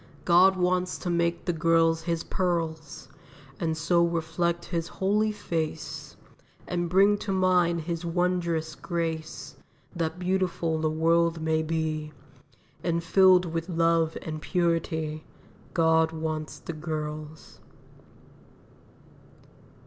God wants to make the girls His pearls, And so reflect His holy face, And bring to mind His wondrous grace, That beautiful the world may be, And filled with love and purity. God wants the girls."